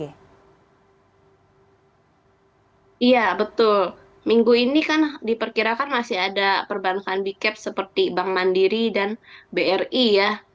iya betul minggu ini kan diperkirakan masih ada perbankan bcaps seperti bank mandiri dan bri ya